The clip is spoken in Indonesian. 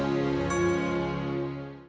tuh kan ngambek juga